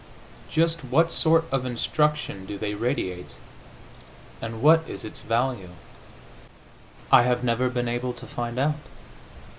Just what sort of instruction do they radiate, and what is its value? I have never been able to find out.